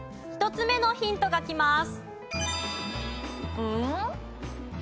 ２つ目のヒントがきます。